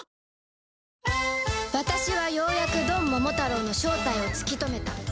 私はようやくドンモモタロウの正体を突き止めた